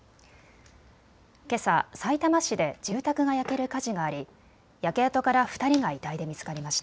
けさ、さいたま市で住宅が焼ける火事があり焼け跡から２人が遺体で見つかりました。